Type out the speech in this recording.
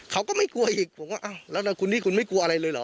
เขาก็ไม่กลัวอีกผมก็อ้าวแล้วคุณนี่คุณไม่กลัวอะไรเลยเหรอ